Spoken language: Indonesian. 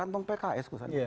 tantung pks kok